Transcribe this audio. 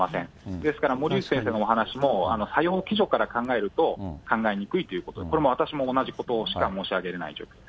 ですから森内先生のお話も、作用機序から考えると、考えにくいということで、これは私も同じことしか申し上げられない状況です。